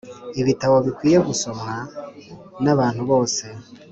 Ibitabo bikwiye gusomwa n’ abantu bose.